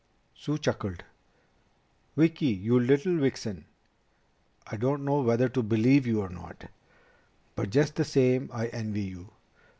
Sue chuckled. "Vicki, you little vixen, I don't know whether to believe you or not. But just the same I envy you.